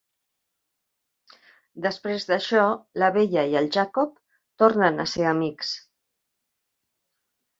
Després d'això la Bella i el Jacob tornen a ser amics.